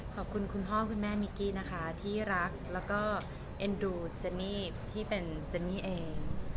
คุณพ่อคุณแม่มิกกี้นะคะที่รักแล้วก็เอ็นดูเจนนี่ที่เป็นเจนนี่เอง